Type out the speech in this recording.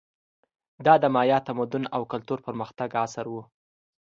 دا د مایا تمدن او کلتور پرمختګ عصر و.